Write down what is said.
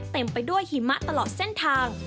เต็มไปด้วยหิมะตลอดเส้นทาง